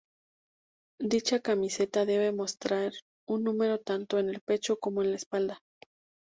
Dicha camiseta debe mostrar un número tanto en el pecho como en la espalda.